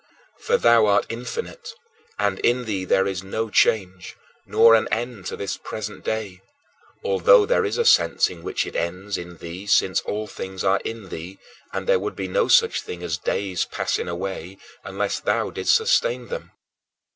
For thou art infinite and in thee there is no change, nor an end to this present day although there is a sense in which it ends in thee since all things are in thee and there would be no such thing as days passing away unless thou didst sustain them.